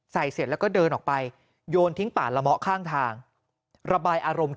เสร็จแล้วก็เดินออกไปโยนทิ้งป่าละเมาะข้างทางระบายอารมณ์